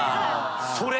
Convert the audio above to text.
それ。